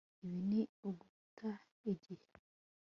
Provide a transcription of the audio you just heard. Ibi ni uguta igihe